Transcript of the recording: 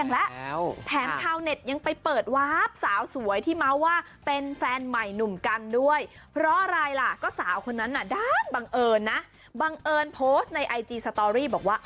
แล้วแถมชาวเน็ตยังไปเปิดวาบสาวสวยที่เมาส์ว่าเป็นแฟนใหม่หนุ่มกันด้วยเพราะอะไรล่ะก็สาวคนนั้นน่ะด้านบังเอิญนะบังเอิญโพสต์ในไอจีสตอรี่บอกว่า